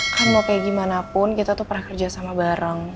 kan mau kayak gimana pun kita tuh pernah kerja sama bareng